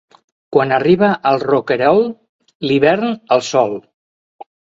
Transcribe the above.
Quan arriba el roquerol, l'hivern al sòl.